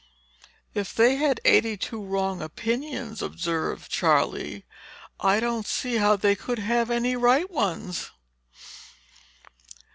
"If they had eighty two wrong opinions," observed Charley, "I don't see how they could have any right ones."